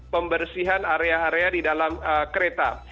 pembersihan area area di dalam kereta